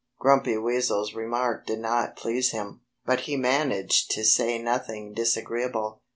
Grumpy Weasel's remark did not please him. But he managed to say nothing disagreeable.